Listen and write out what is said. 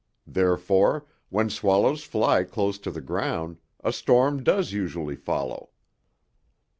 Therefore, when swallows fly close to the ground, a storm does usually follow.